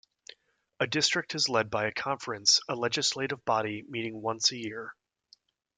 A district is led by a conference, a legislative body meeting once a year.